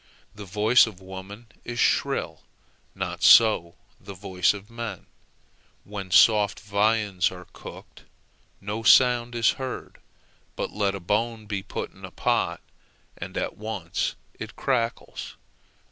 The voice of women is shrill, not so the voice of men; when soft viands are cooked, no sound is heard, but let a bone be put in a pot, and at once it crackles.